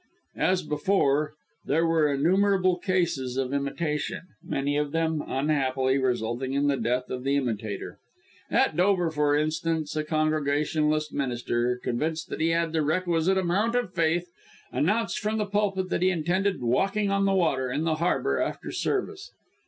As before, there were innumerable cases of imitation, many of them, unhappily, resulting in the death of the imitator. At Dover, for instance, a Congregationalist Minister convinced that he had the requisite amount of faith, announced from the pulpit, that he intended walking on the water, in the Harbour, after service.